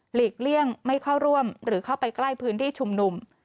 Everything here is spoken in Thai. ลีกเลี่ยงไม่เข้าร่วมหรือเข้าไปใกล้พื้นที่ชุมนุม